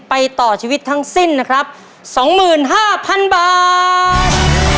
ไปต่อชีวิตทั้งสิ้นนะครับสองหมื่นห้าพันบาท